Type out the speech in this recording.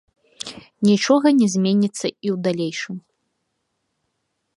Нічога не зменіцца і ў далейшым.